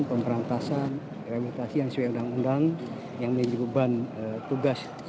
pemperantasan remutasi yang sesuai undang undang yang menyebabkan tugas